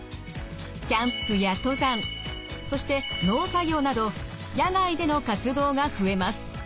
キャンプや登山そして農作業など野外での活動が増えます。